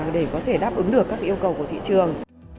để có thể đáp ứng được các yêu cầu của thị trường